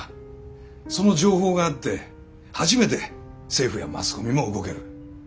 その情報があって初めて政府やマスコミも動ける。